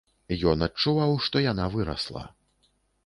Ён адчуваў, што яна вырасла.